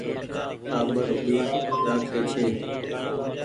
ٽآٻر ڀي رآکي ڇي۔